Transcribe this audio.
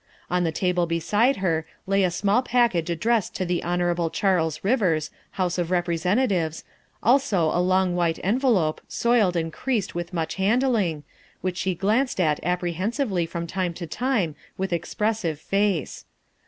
On the table beside her lay a small package addressed to the Hon. Charles Rivers, House of Representatives, also a long white envelope, soiled and creased with much handling, which she glanced at apprehensively from time to time with ex pressive face.